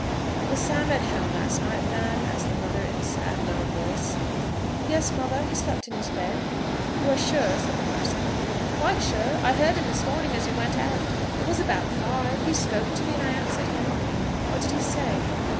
"Was Sam at home last night, Fan?" asked the mother, in a sad, low voice. "Yes, mother. He slept in his bed." "You are sure?" said the parson. "Quite sure. I heard him this morning as he went out. It was about five. He spoke to me, and I answered him." "What did he say?"